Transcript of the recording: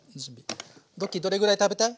ドッキーどれぐらい食べたい？